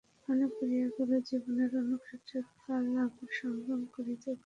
মনে পড়িয়া গেল জীবনের রণক্ষেত্রে কাল আবার সংগ্রাম করিতে বাহির হইতে হইবে।